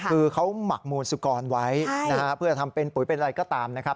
คือเขาหมักมูลสุกรไว้นะฮะเพื่อทำเป็นปุ๋ยเป็นอะไรก็ตามนะครับ